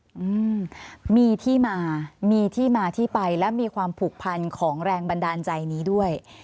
อืมมีที่มามีที่มาที่ไปและมีความผูกพันของแรงบันดาลใจนี้ด้วย